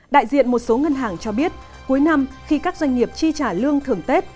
đại diện một số ngân hàng cho biết cuối năm khi các doanh nghiệp chi trả lương thường tết